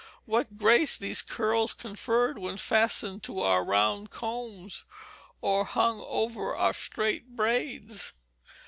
What grace these curls conferred when fastened to our round combs, or hung over our straight braids!